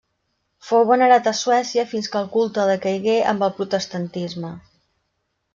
Fou venerat a Suècia fins que el culte decaigué amb el protestantisme.